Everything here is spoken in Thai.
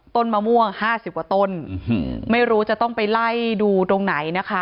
ต้นมะม่วงห้าสิบกว่าต้นไม่รู้จะต้องไปไล่ดูตรงไหนนะคะ